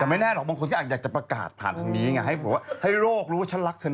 แต่ไม่แน่หรอกบางคนก็อาจจะประกาศผ่านทางนี้ไงให้โรครู้ว่าฉันรักเธอนะ